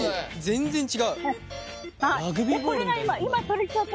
全然違う。